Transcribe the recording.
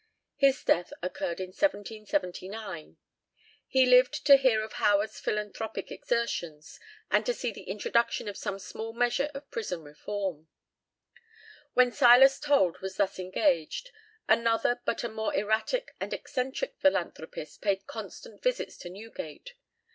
His death occurred in 1779. He lived to hear of Howard's philanthropic exertions, and to see the introduction of some small measure of prison reform. While Silas Told was thus engaged, another but a more erratic and eccentric philanthropist paid constant visits to Newgate.